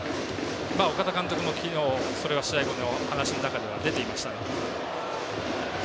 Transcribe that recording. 岡田監督も昨日それは試合後の話の中では出ていましたので。